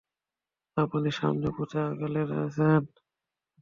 আপনি সামনে পথ আগলে রয়েছেন!